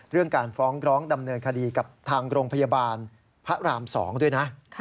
เรื่องการฟ้องร้องดำเนินคดีกับทางโรงพยาบาลพระราม๒ด้วยนะ